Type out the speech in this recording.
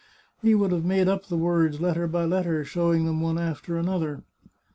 He would have made up the words letter by letter, showing them one after the other.